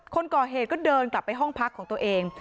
คนก่อเหตุก็เดินกลับไปห้องพักของตัวเอง